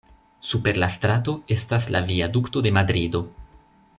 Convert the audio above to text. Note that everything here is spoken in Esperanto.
Super la strato estas la Viadukto de Madrido.